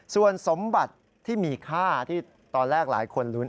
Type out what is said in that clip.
ส่วนสมบัติที่มีค่าที่ตอนแรกหลายคนลุ้น